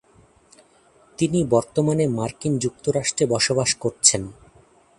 তিনি বর্তমানে মার্কিন যুক্তরাষ্ট্রে বসবাস করছেন।